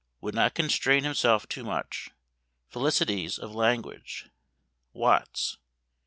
Would not constrain himself too much. Felicities of language. Watts.